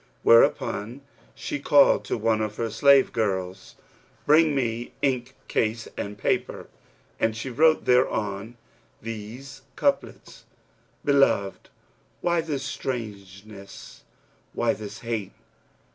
Whereupon she called to one of her slave girls, 'Bring me ink case and paper,' and she wrote thereon these couplets, 'Beloved, why this strangeness, why this hate?